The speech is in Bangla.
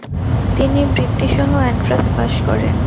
তিনি বৃত্তি-সহ এন্ট্রান্স পাশ করেন।